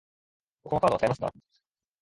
ここはカード使えますか？